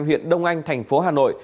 huyện đông anh thành phố hà nội